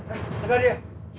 eh tegak dia